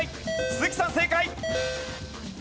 鈴木さん正解。